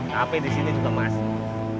tapi di sini juga masuk